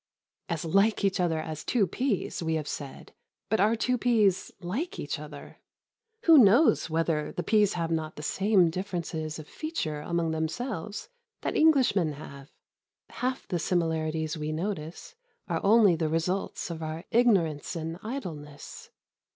"As like each other as two peas," we have said: but are two peas like each other? Who knows whether the peas have not the same differences of feature among themselves that Englishmen have? Half the similarities we notice are only the results of our ignorance and idleness.